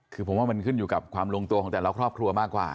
คือผมว่ามันขึ้นอยู่กับความลงตัวของแต่ละครอบครัวมากกว่า